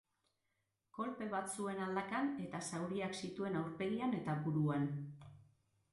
Kolpe bat zuen aldakan eta zauriak zituen aurpegian eta buruan.